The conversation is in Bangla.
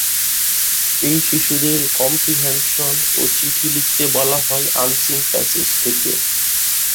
এই শিশুদের কম্প্রিহেনশন ও চিঠি লিখতে বলা হয় আনসিন প্যাসেজ থেকে।